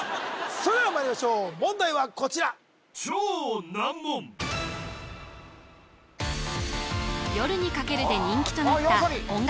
それではまいりましょう問題はこちら「夜に駆ける」で人気となった音楽